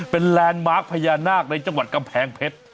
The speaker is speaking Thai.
เป็นแลนด์มาร์คพญานาคในจังหวัดกำแพงเพชร